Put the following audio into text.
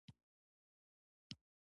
مینه د زړونو ترمنځ پُل جوړوي.